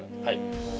はい。